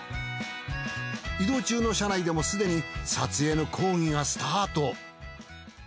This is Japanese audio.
移動中の車内でもすでに撮影の講義がスタート。